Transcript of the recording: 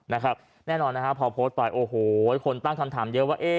แน่นอนนะฮะพอโพสต์ไปโอ้โหคนตั้งคำถามเยอะว่า